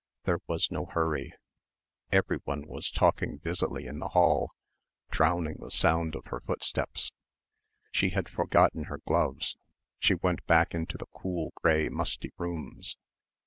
There was no hurry. Everyone was talking busily in the hall, drowning the sound of her footsteps. She had forgotten her gloves. She went back into the cool grey musty rooms.